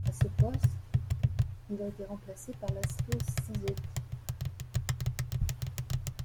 À ce poste, il a été remplacé par László Szigeti.